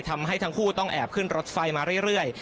ทำให้ทั้งคู่ต้องแอบขึ้นรถไฟมาเรื่อย